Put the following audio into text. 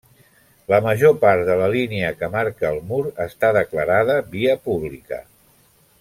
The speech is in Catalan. La major part de la línia que marca el mur està declarada via pública.